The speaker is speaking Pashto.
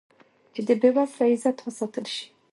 چې د بې وزله عزت وساتل شي.